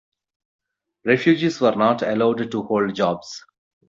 Refugees were not allowed to hold jobs.